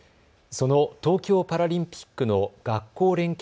その東京パラリンピックの学校連携